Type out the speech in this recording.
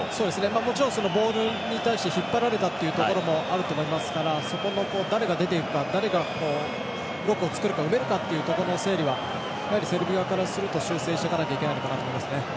もちろんボールに対して引っ張られたっていうところもあると思いますから誰が出て行くか誰が埋めるかというところの整理はセルビアからすると修正していかないといけないと思います。